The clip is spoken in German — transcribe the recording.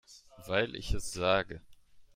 Weil ich es sage.